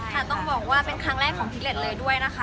ต้องบอกว่าเป็นครั้งแรกของพิเล็ตเลยด้วยนะคะ